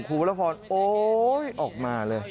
วรพรโอ๊ยออกมาเลย